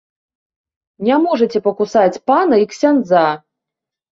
Не можаце пакусаць пана і ксяндза!